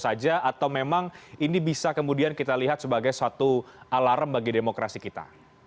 atau memang ini bisa kemudian kita lihat sebagai satu alarm bagi demokrasi kita